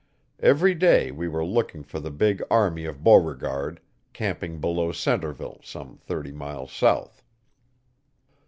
Every day we were looking for the big army of Beauregard, camping below Centreville, some thirty miles south.